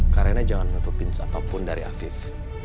karena jangan ngetuk pin seapapun dari afif